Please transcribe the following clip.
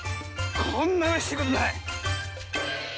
こんなうれしいことない。